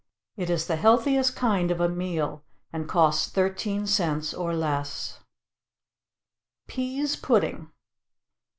It is the healthiest kind of a meal, and costs thirteen cents, or less. =Peas Pudding.